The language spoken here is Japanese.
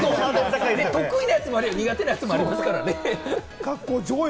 得意なやつもあれば苦手なやつもありますからね。